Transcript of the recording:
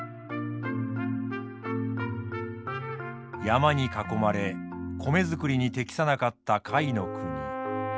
山に囲まれ米作りに適さなかった甲斐国。